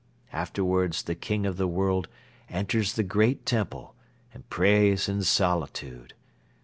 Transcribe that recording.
Afterwards the King of the World enters the great temple and prays in solitude.